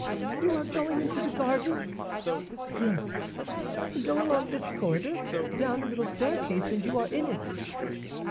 "You are going into the garden?" "Yes." "Go along this corridor, down a little staircase, and you are in it."